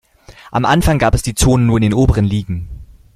Am Anfang gab es die Zone nur in den oberen Ligen.